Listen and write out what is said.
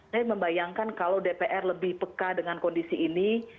saya membayangkan kalau dpr lebih peka dengan kondisi ini